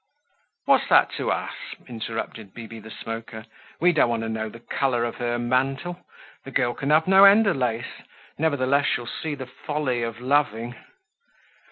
"What's that to us?" interrupted Bibi the Smoker. "We don't want to know the color of her mantle. The girl can have no end of lace; nevertheless she'll see the folly of loving."